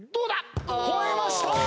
平均超えました！